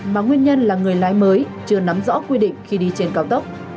mà nguyên nhân là người lái mới chưa nắm rõ quy định khi đi trên cao tốc